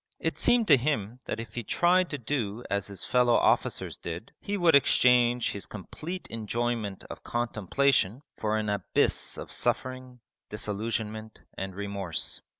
It seemed to him that if he tried to do as his fellow officers did, he would exchange his complete enjoyment of contemplation for an abyss of suffering, disillusionment, and remorse.